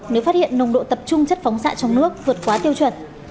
nếu phát hiện nồng độ tập trung chất phóng xạ trong nước vượt quá tiêu chuẩn